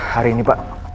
hari ini pak